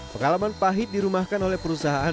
pengalaman pahit dirumahkan oleh perusahaan